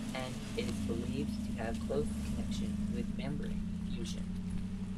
And it is believed to have a close connection with membrane fusion.